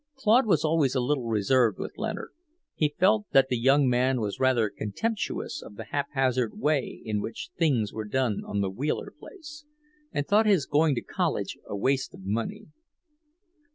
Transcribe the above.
Claude was always a little reserved with Leonard; he felt that the young man was rather contemptuous of the hap hazard way in which things were done on the Wheeler place, and thought his going to college a waste of money.